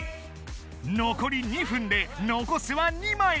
のこり２分でのこすは２枚。